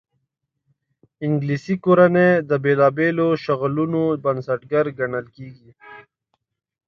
انګلیسي کورنۍ د بېلابېلو شغلونو بنسټګر ګڼل کېږي.